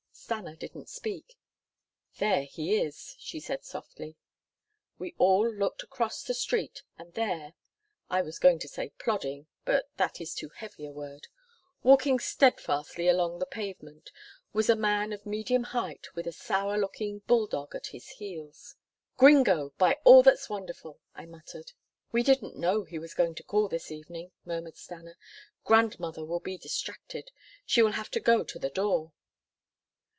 Stanna didn't speak. "There he is," she said softly. We all looked across the street and there I was going to say plodding, but that is too heavy a word walking steadfastly along the pavement, was a man of medium height, with a sour looking bull dog at his heels. "Gringo, by all that's wonderful," I muttered. "We didn't know he was going to call this evening," murmured Stanna. "Grandmother will be distracted. She will have to go to the door."